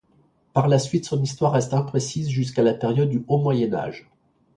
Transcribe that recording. Par la suite son histoire reste imprécise jusqu’à la période du haut Moyen Âge.